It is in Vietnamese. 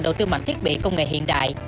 đầu tư mạnh thiết bị công nghệ hiện đại